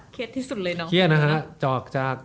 เครียดที่สุดเลยเนอะ